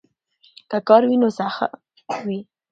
که کار وي نو سخا وي.